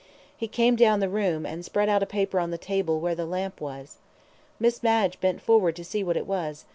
"He came down the room, and spread out a paper on the table where the lamp was. Miss Madge bent forward to see what it was.